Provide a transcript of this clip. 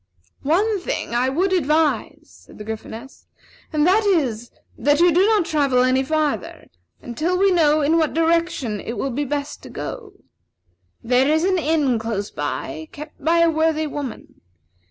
"One thing I would strongly advise," said the Gryphoness, "and that is, that you do not travel any farther until we know in what direction it will be best to go. There is an inn close by, kept by a worthy woman.